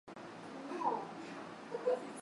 ya Kusini kupeleka Mashariki lakini miaka miamoja